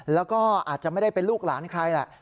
แล้วก็อาจจะไม่ได้เป็นลูกหลานใครแหละ